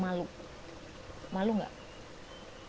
malu malu gak